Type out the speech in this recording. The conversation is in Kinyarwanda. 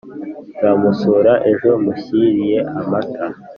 nzamusura ejo mushyiriye amata